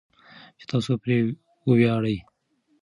چې تاسو پرې وویاړئ.